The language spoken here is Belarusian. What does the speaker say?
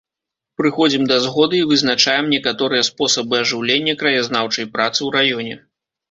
Прыходзім да згоды і вызначаем некаторыя спосабы ажыўлення краязнаўчай працы ў раёне.